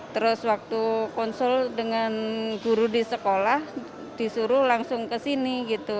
terus waktu konsul dengan guru di sekolah disuruh langsung ke sini gitu